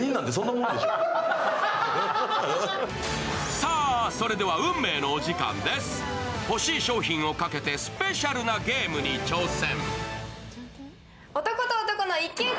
さぁ、それでは運命のお時間です欲しい商品をかけてスペシャルなゲームに挑戦。